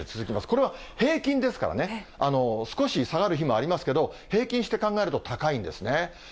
これは平均ですからね、少し下がる日もありますけど、平均して考えると高いんですね。